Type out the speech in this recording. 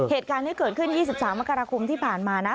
เหตุการณ์ที่เกิดขึ้น๒๓มกราคมที่ผ่านมานะ